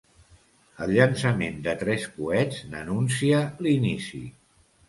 El llançament de tres coets n'anuncia l'inici.